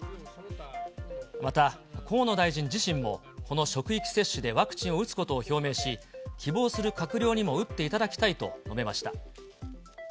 また、河野大臣自身もこの職域接種でワクチンを打つことを表明し、希望する閣僚にも打っていただきたいと述べました。